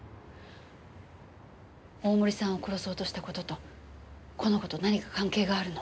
大森さんを殺そうとした事とこの子と何か関係があるの？